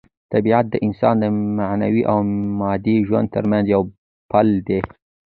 طبیعت د انسان د معنوي او مادي ژوند ترمنځ یو پل دی.